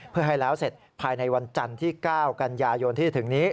เพื่อให้แล้วเสร็จภายในวันจันทร์ที่๙กันยายนที่จะถึงนี้